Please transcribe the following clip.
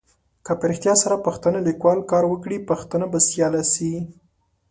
که په رېښتیا سره پښتانه لیکوال کار وکړي پښتو به سیاله سي.